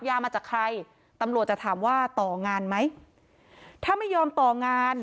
ยามาจากใครตำรวจจะถามว่าต่องานไหมถ้าไม่ยอมต่องาน